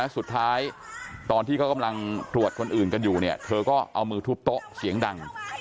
สุดท้ายตอนที่เขากำลังตรวจคนอื่นกันอยู่เนี่ยเธอก็เอามือทุบโต๊ะเสียงดัง